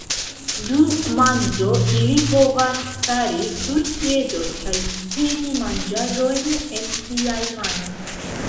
Dum manĝo ili povas stari sur piedoj kaj teni manĝaĵojn en siaj manoj.